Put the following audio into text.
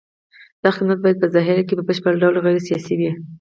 دا خدمات باید په ظاهر کې په بشپړ ډول غیر سیاسي وي.